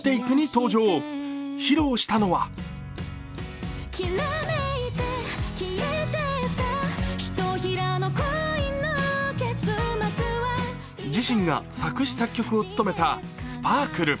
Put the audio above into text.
披露したのは自身が作詞作曲を務めた「スパークル」。